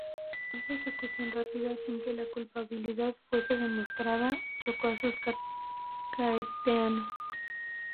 Esa ejecución rápida sin que la culpabilidad fuese demostrada, chocó a sus coetáneos.